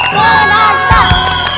gol yang tak